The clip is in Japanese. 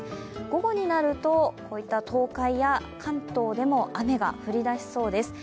午後になると東海や関東でも雨が降りだしそうです。